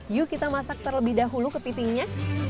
yuk kita masak terlebih dahulu kepitingnya